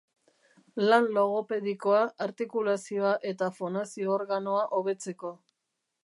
Lan logopedikoa artikulazioa eta fonazio-organoa hobetzeko.